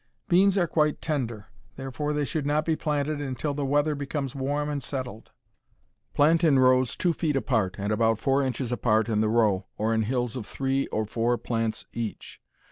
Beans are quite tender, therefore they should not be planted until the weather becomes warm and settled. Plant in rows two feet apart, and about four inches apart in the row, or in hills of three or four plants each.